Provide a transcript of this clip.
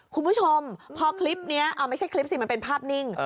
คุณผู้ชมพอคลิปนี้เอาไม่ใช่คลิปสิมันเป็นภาพนิ่ง